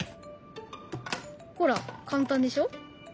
ほら簡単でしょ。